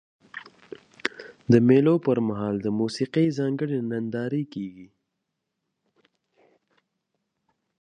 د مېلو پر مهال د موسیقۍ ځانګړي نندارې کیږي.